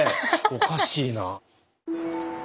おかしいな。